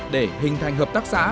để hình thành hợp tác xã